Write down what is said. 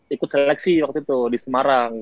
ikut seleksi waktu itu di semarang